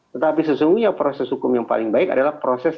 tetapi sesungguhnya proses hukum yang paling baik adalah proses